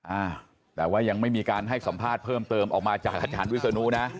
อ่าแต่ว่ายังไม่มีการให้สัมภาษณ์เพิ่มเติมออกมาจากอาจารย์วิศนุนะ